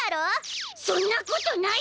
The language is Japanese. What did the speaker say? そんなことない！